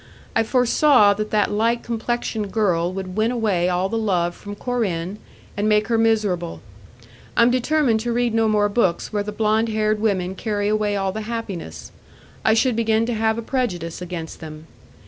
I foresaw that that light complexioned girl would win away all the love from Corinne and make her miserable. I'm determined to read no more books where the blond haired women carry away all the happiness. I should begin to have a prejudice against them.